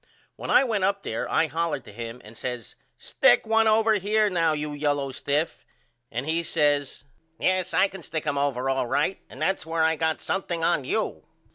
When I went up there I hollered to him and says Stick 1 over here now you yellow stiff And he says Yes I can stick them over allright and that is where I got something on you.